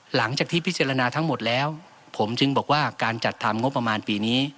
หลังจากที่พิจารณาทั้งหมดแล้วผมจึงบอกว่าการจัดทำงบประมาณปีนี้